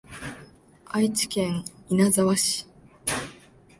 愛知県稲沢市